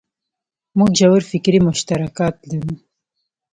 موږ ژور فکري مشترکات لرو.